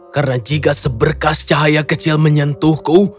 karena jika seberkas cahaya kecil menyentuhku